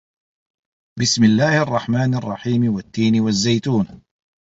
بِسمِ اللَّهِ الرَّحمنِ الرَّحيمِ وَالتّينِ وَالزَّيتونِ